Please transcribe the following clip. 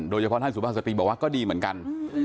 โดยเฉพาะท่านสุภาพศัตริย์บอกว่าก็ดีเหมือนกัน